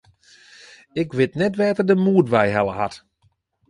Ik wit net wêr't er de moed wei helle hat.